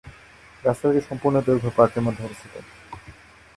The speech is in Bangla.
রাস্তাটির সম্পূর্ণ দৈর্ঘ্য পার্কের মধ্যে অবস্থিত।